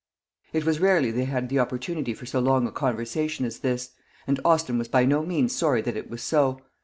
It was rarely they had the opportunity for so long a conversation as this; and Austin was by no means sorry that it was so.